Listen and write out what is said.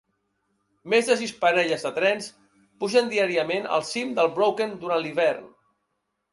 Més de sis parelles de trens pugen diàriament al cim del Brocken durant l'hivern.